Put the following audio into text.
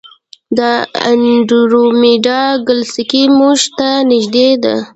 د انډرومیډا ګلکسي موږ ته نږدې ده.